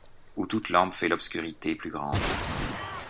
Où toute lampe fait l’obscurité plus grande